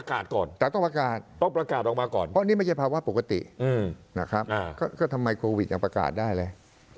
ก็ทำไมโควิดยังประกาศได้เลย